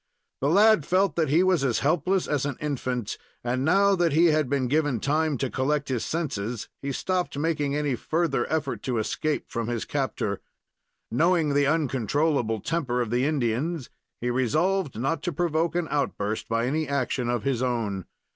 The lad felt that he was as helpless as an infant, and, now that he had been given time to collect his senses, he stopped making any further effort to escape from his captor. Knowing the uncontrollable temper of the Indians, he resolved not to provoke an outburst by any action of his own.